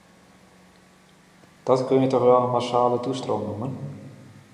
Dat kun je toch wel een massale toestroom noemen.